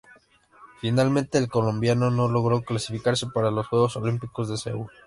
Finalmente, el combinado no logró clasificarse para los Juegos Olímpicos de Seúl.